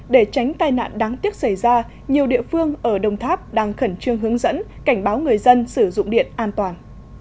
để tránh tai nạn đáng tiếc xảy ra nhiều địa phương ở đồng tháp đang khẩn trương hướng dẫn cảnh báo người dân sử dụng điện an toàn